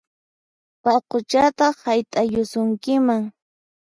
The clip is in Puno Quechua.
Paquchataq hayt'ayusunkiman!